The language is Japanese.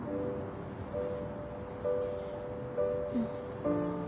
うん。